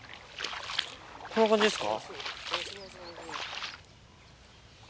こんな感じですか？